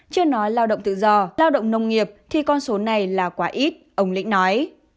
chưa nói lao động tự do lao động nông nghiệp thì con số này là quá ít ông lĩnh nói